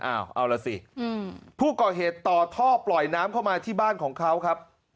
เอาล่ะสิผู้ก่อเหตุต่อท่อปล่อยน้ำเข้ามาที่บ้านของเขาครับ